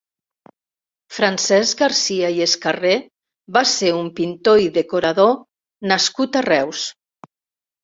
Francesc Garcia i Escarré va ser un pintor i decorador nascut a Reus.